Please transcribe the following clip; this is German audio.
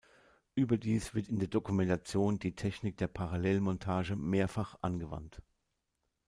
Überdies wird in der Dokumentation die Technik der Parallelmontage mehrfach angewandt.